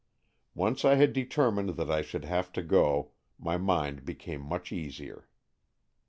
Once I had determined that I should have to go, my mind became much easier.